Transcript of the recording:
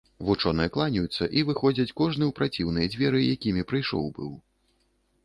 Вучоныя кланяюцца і выходзяць кожны ў праціўныя дзверы, якімі прыйшоў быў.